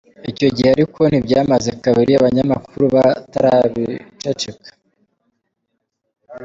Icyo gihe ariko ntibyamaze kabiri abanyamakuru batarabiceceka.